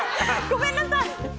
ごめんなさい。